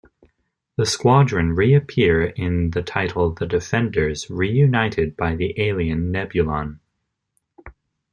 The Squadron reappear in the title "The Defenders", reunited by the alien Nebulon.